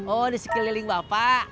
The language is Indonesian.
oh di sekeliling bapak